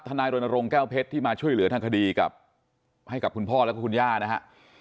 ธนายโรนโรงแก้วเพชรที่มาช่วยเหลือทางคดีให้กับคุณพ่อและคุณย่านะฮะ